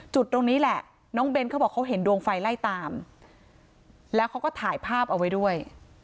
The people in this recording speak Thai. จุดตรงนี้แหละน้องเบ้นเขาบอกเขาเห็นดวงไฟไล่ตามแล้วเขาก็ถ่ายภาพเอาไว้ด้วย